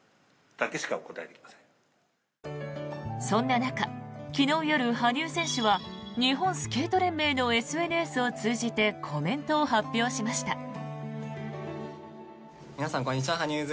そんな中、昨日夜羽生選手は日本スケート連盟のＳＮＳを通じてコメントを発表しました。